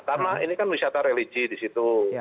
karena ini kan wisata religi disitu